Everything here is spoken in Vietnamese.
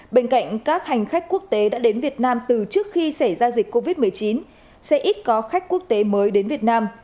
bên cạnh các hành khách quốc tế đã đến việt nam từ trước khi xảy ra dịch covid một mươi chín sẽ ít có khách quốc tế mới đến việt nam